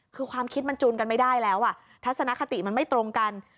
คือความคิดมันจูนกันไม่ได้แล้วอ่ะทัศนคติมันไม่ตรงกัน